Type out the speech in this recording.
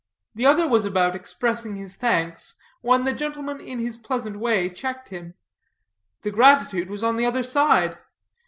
The other was about expressing his thanks when the gentleman in his pleasant way checked him: the gratitude was on the other side.